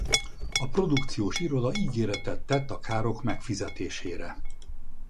A produkciós iroda ígéretet tett a károk megfizetésére.